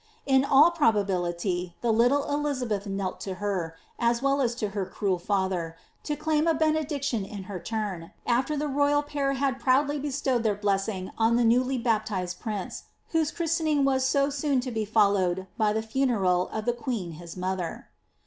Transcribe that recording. In all probability the little Elizabeth knelt to her, as well as to her cruel father, to claim a bene diction in her turn, after the royal pair had proudly bestowed their blessing on the newly baptized prince, whose christening was so soon tt> be followed by the funeral of the queen his mother.